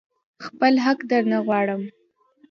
خپل حق درنه غواړم.